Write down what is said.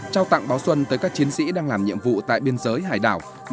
trao tặng báo xuân tới các chiến sĩ đang làm nhiệm vụ tại biên giới hải đảo